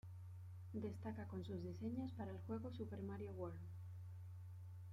Destaca con sus diseños para el juego Super Mario World.